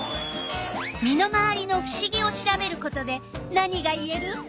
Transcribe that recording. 身の回りのふしぎを調べることで何がいえる？